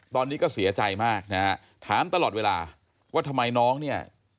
ตอนนี้ก็เสียใจมากนะฮะถามตลอดเวลาว่าทำไมน้องเนี่ย